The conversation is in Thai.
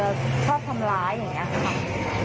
แต่ถ้าเขาปกติดีเขาก็หัวเราะยิ้มอะไรล่าเลย